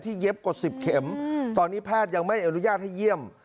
เย็บกว่า๑๐เข็มตอนนี้แพทย์ยังไม่อนุญาตให้เยี่ยม